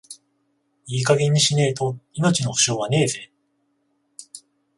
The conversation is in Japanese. いい加減にしねえと、命の保証はねえぜ。